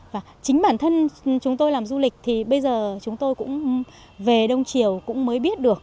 và chính bản thân chúng tôi làm du lịch thì bây giờ chúng tôi cũng về đông triều cũng mới biết được